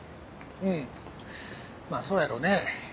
うんまぁそうやろうね。